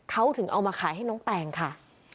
เขาถึงเอามาขายให้น้องแตงค่ะ